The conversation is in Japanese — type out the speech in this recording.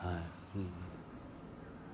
うん。